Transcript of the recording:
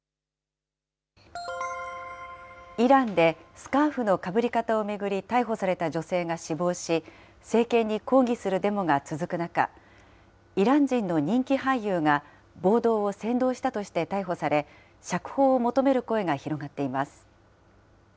イランで、スカーフのかぶり方を巡り、逮捕された女性が死亡し、政権に抗議するデモが続く中、イラン人の人気俳優が、暴動を扇動したとして逮捕され、釈放を求める声が広がっています。